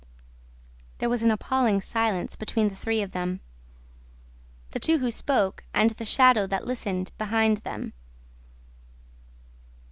There was an appalling silence between the three of them: the two who spoke and the shadow that listened, behind them.